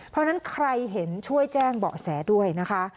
เพราะฉะนั้นใครเห็นช่วยแจ้งเบาะแสด้วยนะคะ